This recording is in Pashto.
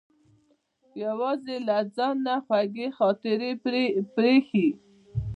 یوازې له ځانه خوږې خاطرې پرې ایښې.